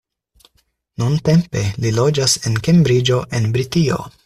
Nuntempe li loĝas en Kembriĝo en Britio.